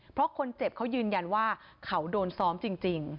เพราะคนเจ็บเขายืนยันว่าเขาโดนซ้อมจริง